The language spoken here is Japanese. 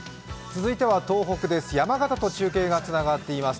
続いては東北です